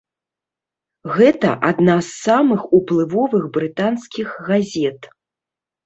Гэта адна з самых уплывовых брытанскіх газет.